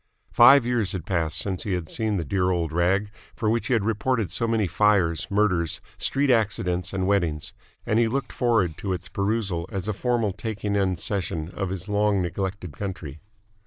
Five years had passed since he had seen the dear old rag for which he had reported so many fires, murders, street accidents, and weddings: and he looked forward to its perusal as a formal taking seisin of his long neglected country.